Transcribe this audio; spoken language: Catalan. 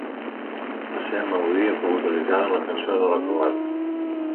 La seva melodia fou utilitzada en la Cançó de la Croada.